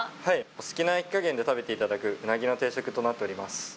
お好きな焼き加減で食べていただく、うなぎの定食となっておりま